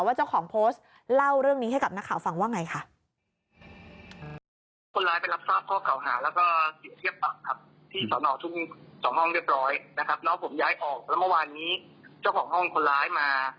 เจ้าของโพสต์เล่าเรื่องนี้ให้กับนักข่าวฟังว่าไงค่ะ